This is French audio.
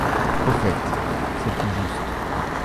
Au fait, c’est plus juste.